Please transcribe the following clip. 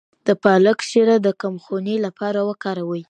د پالک شیره د کمخونۍ لپاره وکاروئ